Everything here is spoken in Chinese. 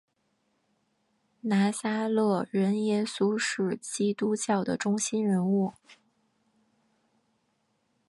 拿撒勒人耶稣是基督教的中心人物。